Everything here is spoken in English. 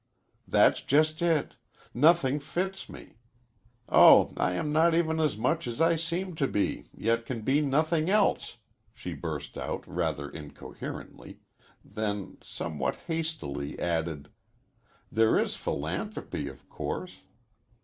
"That's just it. Nothing fits me. Oh, I am not even as much as I seem to be, yet can be nothing else!" she burst out rather incoherently, then somewhat hastily added: "There is philanthropy, of course.